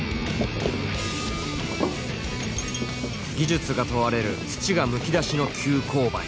技術が問われる土がむき出しの急こう配。